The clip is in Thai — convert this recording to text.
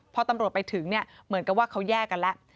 พอตำรวจไปถึงเนี่ยเหมือนกับว่าเขาแยกกันแล้ว